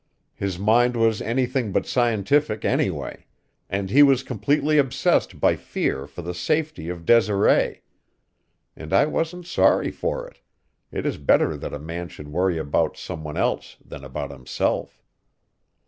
His mind was anything but scientific, anyway; and he was completely obsessed by fear for the safety of Desiree. And I wasn't sorry for it; it is better that a man should worry about some one else than about himself.